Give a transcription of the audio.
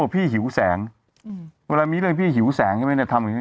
พี่หิวแสงอืมเวลามีเรื่องพี่หิวแสงใช่ไหมน่ะ